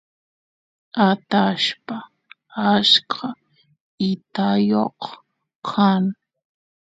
atashpa achka itayoq kan